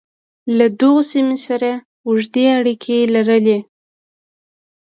له دغو سیمو سره اوږدې اړیکې لرلې.